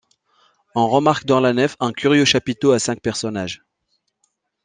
On remarque dans la nef un curieux chapiteau à cinq personnages.